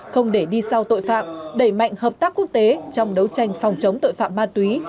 không để đi sau tội phạm đẩy mạnh hợp tác quốc tế trong đấu tranh phòng chống tội phạm ma túy